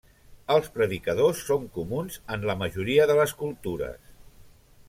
Els predicadors són comuns en la majoria de les cultures.